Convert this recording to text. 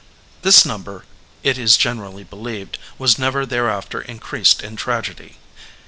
This number, it is generally believed, was never thereafter increased in tragedy.